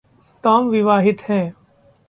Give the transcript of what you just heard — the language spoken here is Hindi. टॉम विवाहित है।